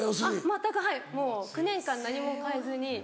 全くはいもう９年間何も変えずに。